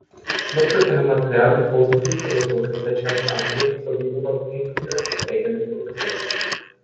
Nutzer können Material der großen Filmproduktionsgesellschaften ansehen sowie unabhängige und eigene Produktionen.